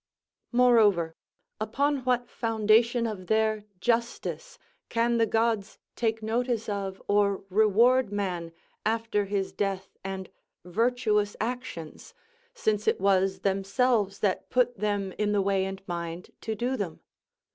Moreover, upon what foundation of their justice can the gods take notice of or reward man after his death and virtuous actions, since it was themselves that put them in the way and mind to do them?